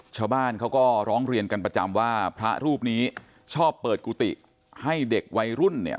ชาวบ้านเขาก็ร้องเรียนกันประจำว่าพระรูปนี้ชอบเปิดกุฏิให้เด็กวัยรุ่นเนี่ย